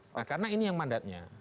nah karena ini yang mandatnya